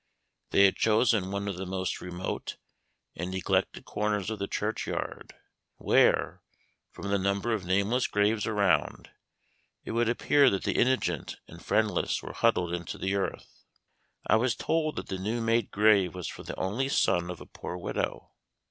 They had chosen one of the most remote and neglected corners of the churchyard, where, from the number of nameless graves around, it would appear that the indigent and friendless were huddled into the earth. I was told that the new made grave was for the only son of a poor widow.